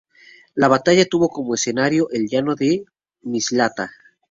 La batalla tuvo como escenario el llano de Mislata.